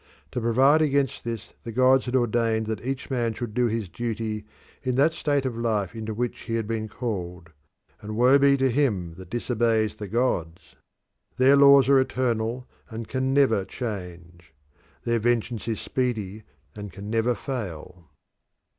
To provide against this the gods had ordained that each man should do his duty in that state of life into which he had been called, and woe be to him that disobeys the gods! Their laws are eternal and can never change. Their vengeance is speedy and can never fail.